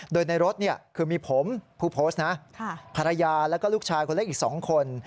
โดยในรถคือมีผมผู้โพสต์นะภรรยาแล้วก็ลูกชายคนเล็กอีก๒คน